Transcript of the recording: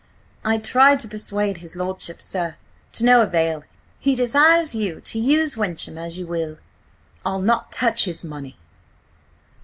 "I tried to persuade his lordship, sir. To no avail. He desires you to use Wyncham as you will." "I'll not touch his money!"